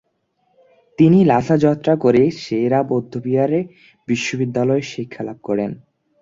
তিনি লাসা যাত্রা করে সে-রা বৌদ্ধবিহার বিশ্ববিদ্যালয়ে শিক্ষালাভ করেন।